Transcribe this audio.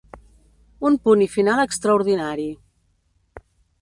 “Un punt i final extradordinari”.